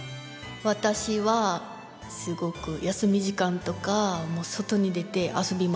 わたしはすごく休み時間とかもう外に出て遊び回ってました。